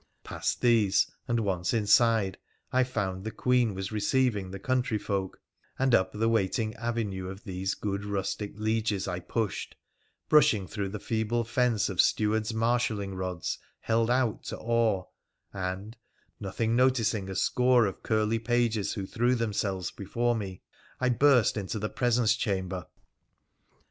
Past these, and once inside, I found the Queen was receiving the country folk, and up tho waiting avenue of these good rustic lieges I pushed, brushing through the feeble fence of stewards' marshalling rods held out to awe, and, nothing noticing a score of curly pages who threw themselves before me, I burst into the presence chamber.